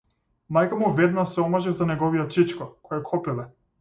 Мајка му веднаш се омажи за неговиот чичко, кој е копиле.